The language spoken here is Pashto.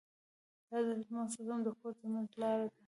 دا د حضرت محمد ص د کور ترمنځ لاره ده.